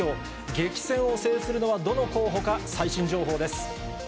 激戦を制するのはどの候補か、最新情報です。